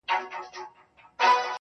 په اخبار، په مجله، په راډيو کي~